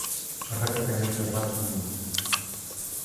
Гэта, канешне, значны мінус.